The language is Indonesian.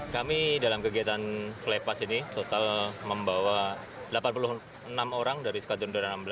kami dalam kegiatan flypass ini total membawa delapan puluh enam orang dari skadron udara enam belas